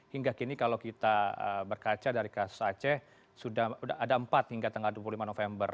hingga kini kalau kita berkaca dari kasus aceh sudah ada empat hingga tanggal dua puluh lima november